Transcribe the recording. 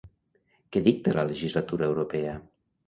Què dicta la legislatura europea?